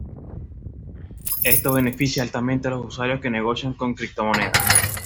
Esto beneficia altamente a los usuarios que negocian con criptomonedas.